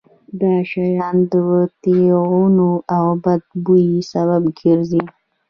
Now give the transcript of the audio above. دا شیان د ټېغونو او بد بوی سبب ګرځي.